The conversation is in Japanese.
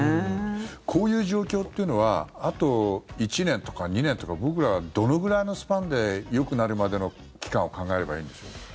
こういう状況というのはあと１年とか２年とか僕らはどのぐらいのスパンでよくなるまでの期間を考えればいいんでしょう？